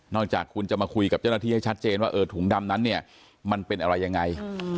จากคุณจะมาคุยกับเจ้าหน้าที่ให้ชัดเจนว่าถุงดำนั้นเนี่ยมันเป็นอะไรยังไง